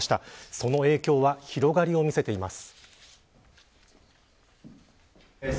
その影響は広がりを見せています。